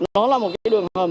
nó là một cái đường hầm